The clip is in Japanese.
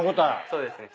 そうですね。